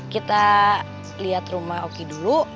kita lihat rumah oki dulu